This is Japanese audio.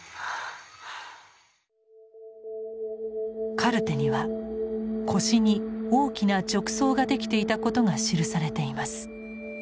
カルテには腰に大きな褥瘡ができていたことが記されています。